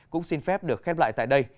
cũng xin phép được khép lại tại đây